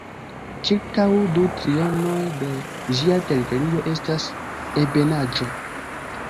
Ĉirkaŭ du trionoj de ĝia teritorio estas ebenaĵo.